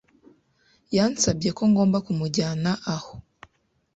Yansabye ko ngomba kumujyana aho